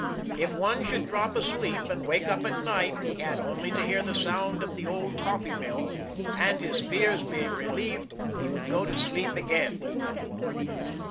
If one should drop asleep, and wake up at night, he had only to hear the sound of 'the old coffee mill' and, his fears being relieved, he would go to sleep again."